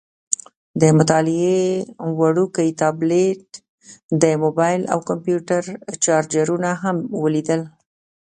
د مطالعې وړوکی ټابلیټ، د موبایل او کمپیوټر چارجرونه هم ولیدل.